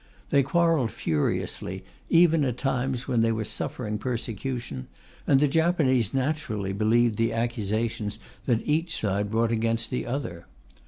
They quarrelled furiously, even at times when they were suffering persecution; and the Japanese naturally believed the accusations that each side brought against the other.